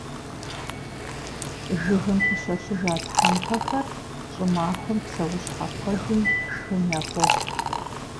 Жыгым пыщэщыжа тхьэмпэхэр щӀымахуэм псэущхьэ куэдым шхын яхуохъу.